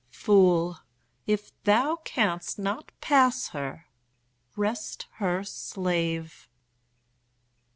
Fool, if thou canst not pass her, rest her slave!